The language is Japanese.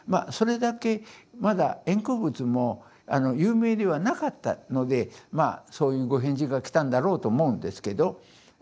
それだけまだ円空仏も有名ではなかったのでそういうご返事が来たんだろうと思うんですけど。